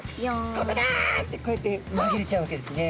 「ここだ」ってこうやってまぎれちゃうわけですね。